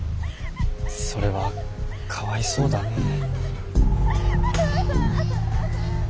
それはかわいそうだねえ。